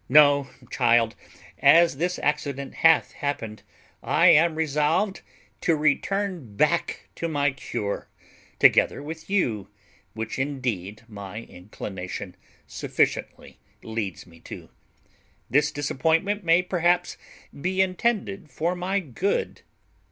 No, child, as this accident hath happened, I am resolved to return back to my cure, together with you; which indeed my inclination sufficiently leads me to. This disappointment may perhaps be intended for my good."